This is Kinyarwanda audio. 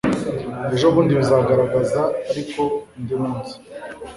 ejo bundi bizagaragaza ariko undi munsi